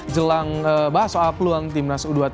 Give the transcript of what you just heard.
jelang bahas soal peluang timnas u dua puluh tiga